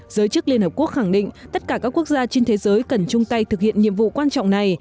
giới chức liên hợp quốc khẳng định tất cả các quốc gia trên thế giới cần chung tay thực hiện nhiệm vụ quan trọng này